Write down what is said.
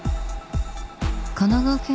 神奈川県